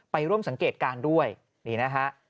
ไปร่วมสังเกตการณ์ด้วยนี่นะฮะ